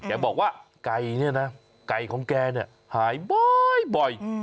บอกว่าไก่เนี่ยนะไก่ของแกเนี่ยหายบ่อย